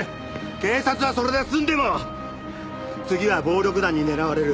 警察はそれで済んでも次は暴力団に狙われる。